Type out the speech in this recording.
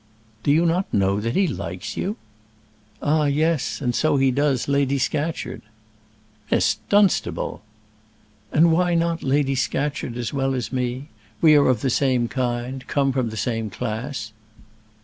"Do you not know that he likes you?" "Ah, yes; and so he does Lady Scatcherd." "Miss Dunstable!" "And why not Lady Scatcherd, as well as me? We are of the same kind come from the same class."